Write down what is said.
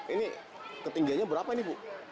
ini ketinggiannya berapa ini bu